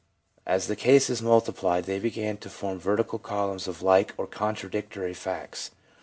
As the cases multiplied, they began to form vertical columns of like or contradictory facts.